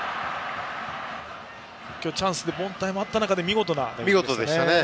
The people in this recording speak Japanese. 今日チャンスで凡退もあった中で見事でしたね。